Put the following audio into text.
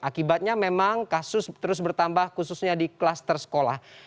akibatnya memang kasus terus bertambah khususnya di klaster sekolah